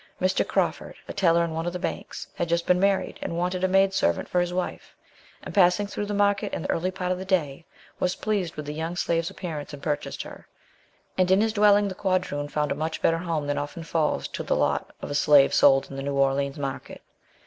Mr. Crawford, a teller in one of the banks, had just been married, and wanted a maid servant for his wife; and passing through the market in the early part of the day, was pleased with the young slave's appearance and purchased her, and in his dwelling the quadroon found a much better home than often falls to the lot of a slave sold in the New Orleans market.